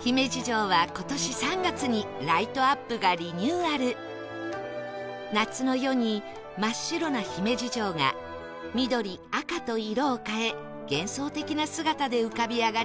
姫路城は今年３月にライトアップがリニューアル夏の夜に真っ白な姫路城が緑赤と色を変え幻想的な姿で浮かび上がります